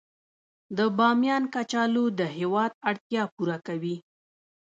د بامیان کچالو د هیواد اړتیا پوره کوي